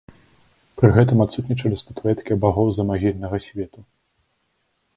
Пры гэтым адсутнічалі статуэткі багоў замагільнага свету.